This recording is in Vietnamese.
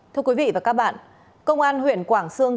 thưa quý vị và các bạn công an huyện quảng sương